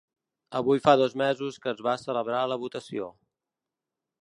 Avui fa dos mesos que es va celebrar la votació.